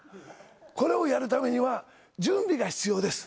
これをやるためには、準備が必要です。